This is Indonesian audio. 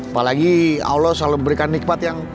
apalagi allah selalu memberikan nikmat yang